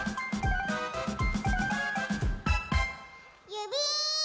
ゆび！